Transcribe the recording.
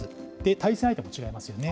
対戦相手も違いますよね。